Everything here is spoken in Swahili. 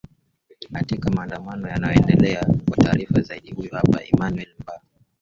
atika maandamano yanayoendelea kwa taarifa zaidi huyu hapa emanuel mba